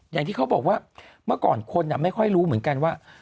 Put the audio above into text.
อย่างที่เขาบอกว่าเมื่อก่อนคนไม่ค่อยรู้เหมือนกันว่า